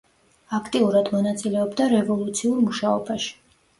აქტიურად მონაწილეობდა რევოლუციურ მუშაობაში.